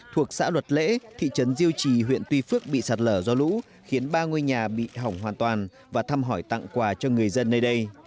thuộc xã luật lễ thị trấn diêu trì huyện tuy phước bị sạt lở do lũ khiến ba ngôi nhà bị hỏng hoàn toàn và thăm hỏi tặng quà cho người dân nơi đây